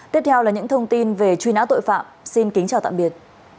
tiếp theo là những thông tin về truy nã tội phạm xin kính chào tạm biệt